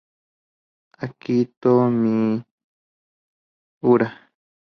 Akito Miura